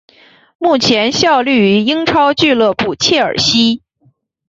目前效力于英超俱乐部切尔西。